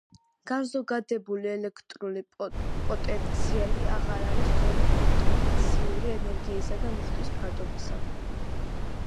განზოგადებული ელექტრული პოტენციალი აღარ არის ტოლი პოტენციური ენერგიისა და მუხტის ფარდობისა.